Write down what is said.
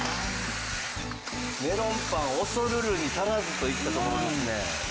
メロンパン恐るるに足らずといったところですね。